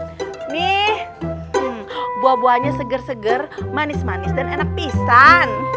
ini buah buahnya segar segar manis manis dan enak pisan